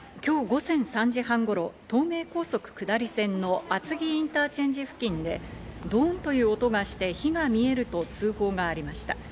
今日午前３時半頃、東名高速下り線の厚木インターチェンジ付近でドンという音がして、火が見えると通報がありました。